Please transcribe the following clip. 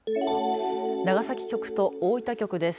長崎局と大分局です。